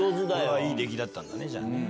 いい出来だったんだね。